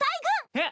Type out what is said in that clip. えっ？